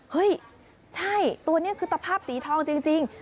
เฮ้ยใช่ตัวนี้คือตะภาพสีทองจริง